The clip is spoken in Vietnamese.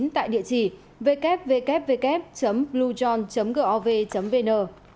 tại địa chỉ www bluejohn gov vn